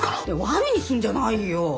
ワルにすんじゃないよ。